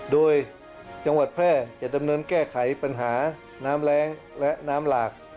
โดยจังหวัดแพร่จะดำเนินแก้ไขปัญหาน้ำแรงและน้ำหลาก